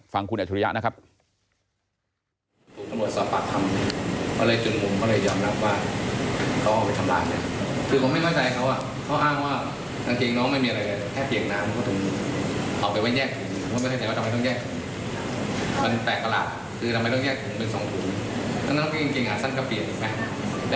ฟังคุณอัจฉริยะนะครับ